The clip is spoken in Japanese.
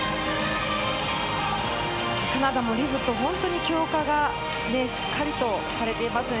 カナダもリフト、本当に強化がしっかりされていますね。